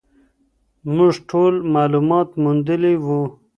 موږ ټول معلومات موندلي وو.